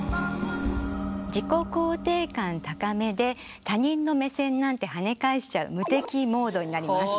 自己肯定感高めで他人の目線なんてはね返しちゃう無敵モードになります。